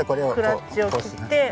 クラッチを切って。